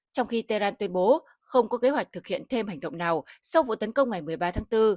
trong khi tehran tuyên bố không có kế hoạch thực hiện thêm hành động nào sau vụ tấn công ngày một mươi ba tháng bốn